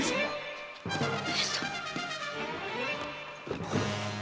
上様？